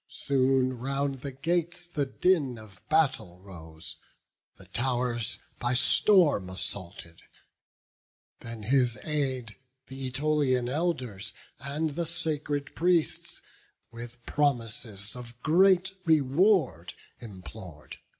Soon round the gates the din of battle rose, The tow'rs by storm assaulted; then his aid Th' Ætonian Elders and the sacred priests With promises of great reward implor'd.